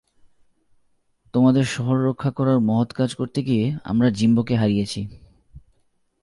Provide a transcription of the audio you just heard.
তোমাদের শহর রক্ষা করার মহৎ কাজ করতে গিয়ে আমরা জিম্বোকে হারিয়েছি।